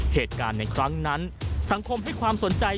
เหตุการณ์ในครั้งนั้นสังคมให้ความสนใจ